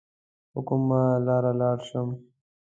په کومه لار لاړ سم؟